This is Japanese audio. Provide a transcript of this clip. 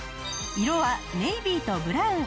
色はネイビーとブラウン。